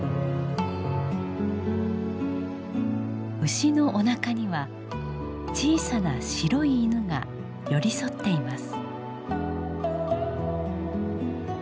牛のおなかには小さな白い犬が寄り添っています。